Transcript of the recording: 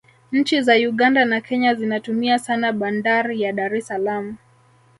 nchi za uganda na kenya zinatumia sana bandar ya dar es salaam